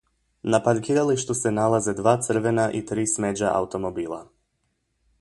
Na parkiralištu se nalaze dva crvena i tri smeđa automobila.